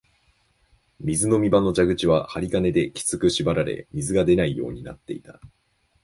水飲み場の蛇口は針金できつく縛られ、水が出ないようになっていた